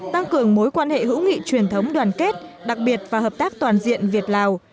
tăng cường mối quan hệ hữu nghị truyền thống đoàn kết đặc biệt và hợp tác toàn diện việt lào